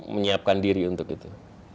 menyiapkan diri untuk itu